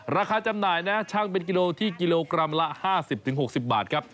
จำหน่ายนะช่างเป็นกิโลที่กิโลกรัมละ๕๐๖๐บาทครับ